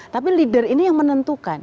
tapi leader ini yang menentukan